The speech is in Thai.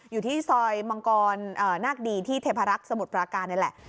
อยู่ที่ซอยมังกรนาคดีที่เทพรักษ์สมุทรปราการนี่แหละ